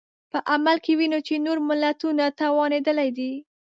په عمل کې وینو چې نور ملتونه توانېدلي دي.